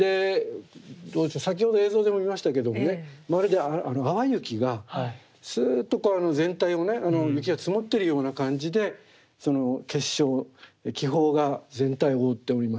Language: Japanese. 先ほど映像でも見ましたけどもねまるで淡雪がすっと全体をね雪が積もってるような感じでその結晶気泡が全体を覆っておりまして。